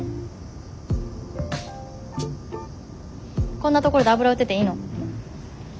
こんなところで油売ってていいの？